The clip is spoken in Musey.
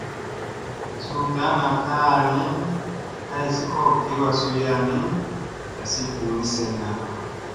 Suu daŋga kaa ni, haysi hop kiwa suya nii, asi ɓuuni senna.